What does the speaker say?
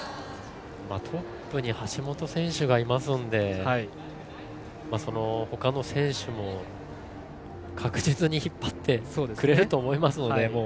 トップに橋本選手がいますのでほかの選手も確実に引っ張ってくれると思いますので。